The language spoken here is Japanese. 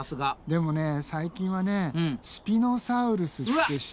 でもね最近はねスピノサウルスって知ってる？